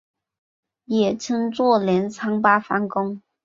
也称作镰仓八幡宫。